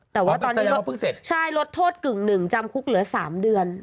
แต่ว่าตอนนี้ก็เพิ่งเสร็จใช่ลดโทษกึ่งหนึ่งจำคุกเหลือ๓เดือน